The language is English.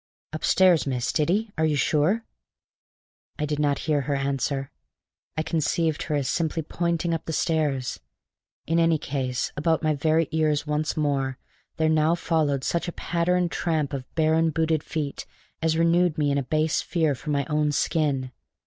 "Upstairs, miss, did he? Are you sure?" I did not hear her answer. I conceive her as simply pointing up the stairs. In any case, about my very ears once more, there now followed such a patter and tramp of bare and booted feet as renewed in me a base fear for my own skin.